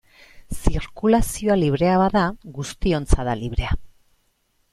Zirkulazioa librea bada, guztiontzat da librea.